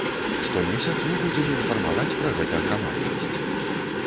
Штомесяц мы будзем інфармаваць пра гэта грамадскасць.